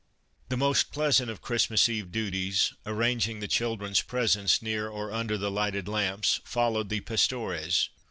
The most pleasant of Christmas Eve duties, ar ranging the childrens' presents near or under the lighted lamps, followed the Pastores.